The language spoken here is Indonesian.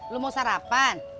lo mau sarapan